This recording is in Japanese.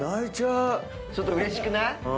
ちょっとうれしくない⁉